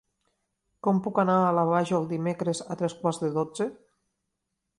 Com puc anar a la Vajol dimecres a tres quarts de dotze?